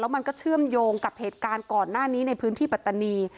มันก็เชื่อมโยงกับเหตุการณ์ก่อนหน้านี้ในพื้นที่ปัตตานี